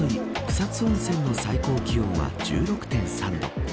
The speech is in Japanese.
草津温泉の最高気温は１６．３度。